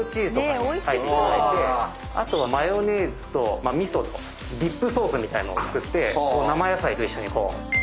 あとはマヨネーズと味噌とディップソースみたいのを作って生野菜と一緒にこう。